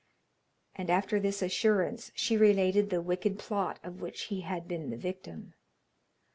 And after this assurance, she related the wicked plot of which he had been the victim.